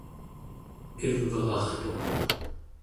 ivrartuq